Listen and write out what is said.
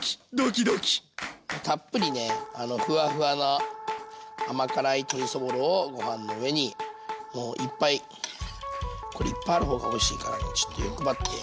たっぷりねふわふわな甘辛い鶏そぼろをご飯の上にもういっぱいこれいっぱいある方がおいしいからちょっと欲張って。